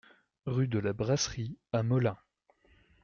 Rue de la Brasserie à Molain